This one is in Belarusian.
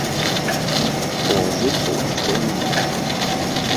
У алжырцаў ачкоў няма.